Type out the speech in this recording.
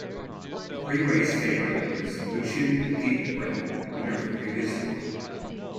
The pre-race favourite was Lucien Petit-Breton, winner of the previous Tour.